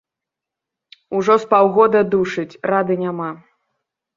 Ужо з паўгода душыць, рады няма.